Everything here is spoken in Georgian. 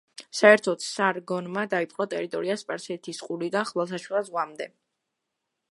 საერთოდ სარგონმა დაიპყრო ტერიტორია სპარსეთის ყურიდან ხმელთაშუა ზღვამდე.